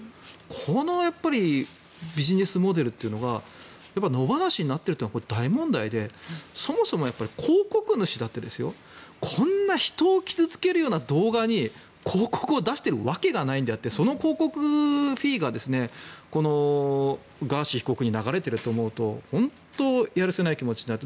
このビジネスモデルというのが野放しになっているのが大問題でそもそも、広告主だってこんな人を傷付けるような動画に広告を出しているわけがないのであってその広告フィーがこのガーシー被告に流れていると思うと本当、やるせない気持ちになる。